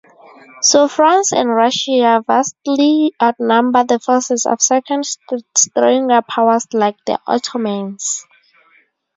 So France and Russia vastly outnumber the forces of second-stringer powers like the Ottomans.